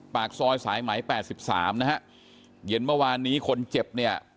ปากซอยสายไหม๘๓นะฮะเย็นเมื่อวานนี้คนเจ็บเนี่ย